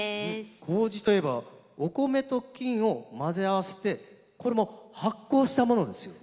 麹といえばお米と菌を混ぜ合わせてこれも発酵したものですよね。